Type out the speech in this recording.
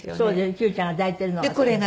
九ちゃんが抱いてるのが。